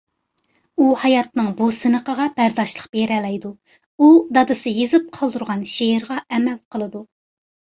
ئۇ ھاياتنىڭ بۇ سىنىقىغا بەرداشلىق بېرەلەيدۇ. ئۇ دادىسى يېزىپ قالدۇرغان شېئىرغا ئەمەل قىلىدۇ